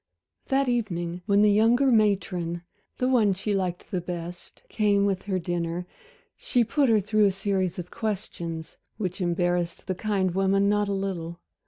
That evening when the younger matron the one she liked the best came with her dinner, she put her through a series of questions, which embarrassed the kind woman not a little.